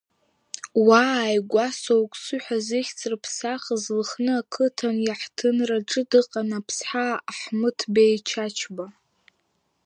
Уа ааигәа, Соуксу ҳәа зыхьӡ рыԥсахыз Лыхны ақыҭан иаҳҭынраҿы дыҟан аԥсҳа Аҳмыҭбеи Чачба.